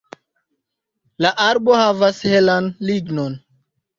La arbo havas helan lignon.